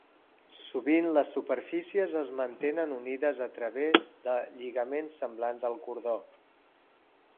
Sovint les superfícies es mantenen unides a través de lligaments semblants al cordó.